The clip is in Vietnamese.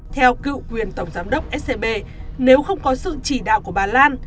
theo cựu quyền tổng giám đốc scb nếu không có sự chỉ đạo của bà lan